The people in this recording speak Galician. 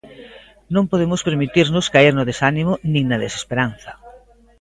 Non podemos permitirnos caer no desánimo nin na desesperanza.